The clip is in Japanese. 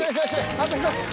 あと１つ。